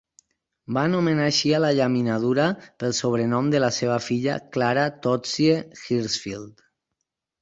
Va anomenar així a la llaminadura pel sobrenom de la seva filla, Clara "Tootsie" Hirshfield.